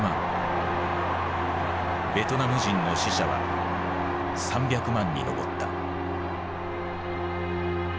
ベトナム人の死者は３００万に上った。